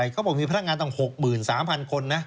เขาบอกมีพนักงานตั้ง๖๓๐๐คนนะ